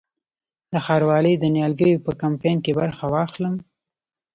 د ښاروالۍ د نیالګیو په کمپاین کې برخه واخلم؟